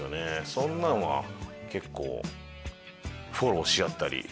そんなんは結構フォローし合ったり。